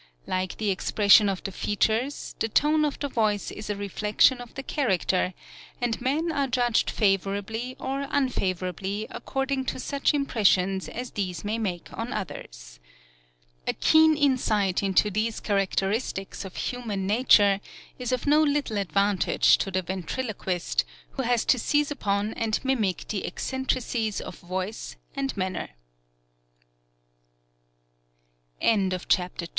Like the expression of the features, the tone of the voice is a reflection of the character, and men are judged favorably or unfavorably according to such impressions as these may make on others. A keen insight into these characteristics of human nature is of no little advantage to the ventriloquist, who has to seize upon and mimic the eccentricities of voic